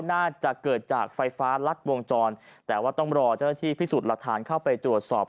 น่าจะเกิดจากไฟฟ้ารัดวงจรแต่ว่าต้องรอเจ้าหน้าที่พิสูจน์หลักฐานเข้าไปตรวจสอบ